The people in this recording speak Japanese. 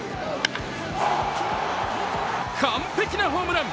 完璧なホームラン。